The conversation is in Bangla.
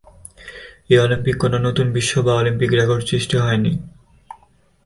এই অলিম্পিকে কোনো নতুন বিশ্ব বা অলিম্পিক রেকর্ড সৃষ্টি হয়নি।